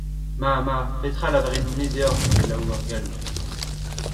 Ma ! ma ! petra a lavarin-me deoc’h, eme Laou ar Gallou.